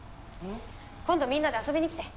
今度みんなで遊びに来て。